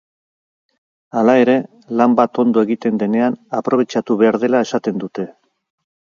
Hala ere, lan bat ondo egiten denean aprobetxatu behar dela esaten dute.